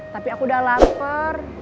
tapi aku udah lapar